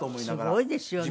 すごいですよねでも。